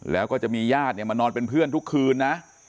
แล้วก็จะมีญาติเนี่ยมานอนเป็นเพื่อนทุกคืนนะ